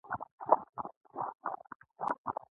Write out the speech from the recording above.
ایا ستاسو وینه به نه وچیږي؟